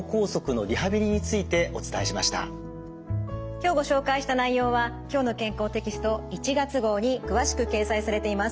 今日ご紹介した内容は「きょうの健康」テキスト１月号に詳しく掲載されています。